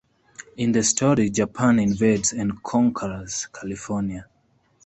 In the story, Japan invades and conquers California.